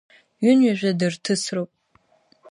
Ҩынҩажәа дырҭысроуп.